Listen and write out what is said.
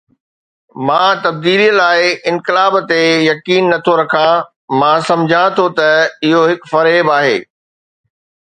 مان تبديليءَ لاءِ انقلاب تي يقين نه ٿو رکان، مان سمجهان ٿو ته اهو هڪ فريب آهي.